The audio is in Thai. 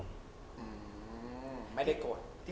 ไม่ได้โกรธ